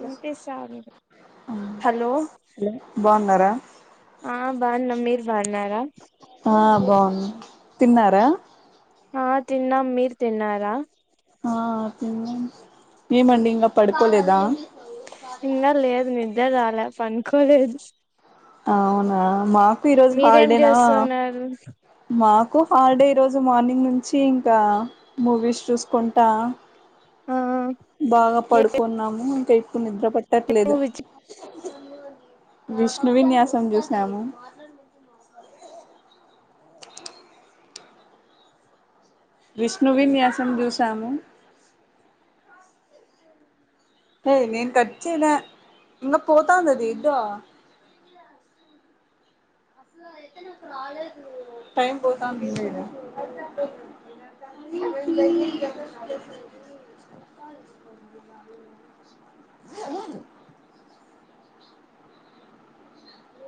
వినిపిస్తాంది హలో బాగున్నారా ఆ బాగున్నం మీరు బాగున్నారా ఆ బాగున్నా తిన్నారా ఆ తిన్నాం మీరు తిన్నారా ఆ తిన్నాం ఏమండి ఇంగా పడుకోలేదా ఇంగా లేదు నిద్ర రాలే పండుకోలేదు అవునా మాకు ఈరోజు మీరేం హాలిడేనా చేస్తున్నారు మాకు కు హాలిడే ఈ రోజు మార్నింగ్ నుంచి ఇంకా మూవీస్ చూసుకుంటా ఆ బాగా ఏ పడుకున్నాము ఇంకా ఇప్పుడు నిద్ర పట్టట్లేదు మూవీ విష్ణువిన్యాసం జూసాము విష్ణువిన్యాసం జూసము ఏ నేను కట్చల ఇంగా పోతాందది ఇదో టైం పోతంది బ అ వును